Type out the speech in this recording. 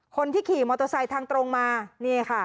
คนที่ขี่มอเตอร์ไซค์ทางตรงมานี่ค่ะ